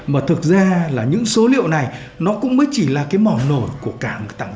mà thực ra là những số liệu này nó cũng mới chỉ là cái mỏ nổi của cảng